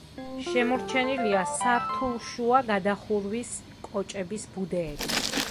შემორჩენილია სართულშუა გადახურვის კოჭების ბუდეები.